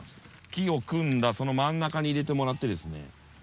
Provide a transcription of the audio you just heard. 木を組んだその真ん中に入れてもらってですね。